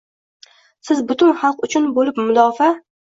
Siz butun xalq uchun bo’lib mudofaa